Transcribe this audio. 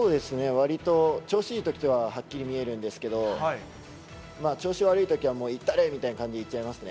わりと調子いいときとかははっきり見えるんですけど、調子悪いときは、もういったれみたいな感じでいっちゃいますね。